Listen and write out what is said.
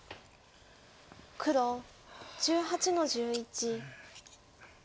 黒１８の十一。